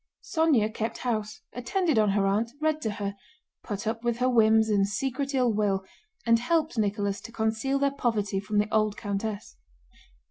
Sónya kept house, attended on her aunt, read to her, put up with her whims and secret ill will, and helped Nicholas to conceal their poverty from the old countess.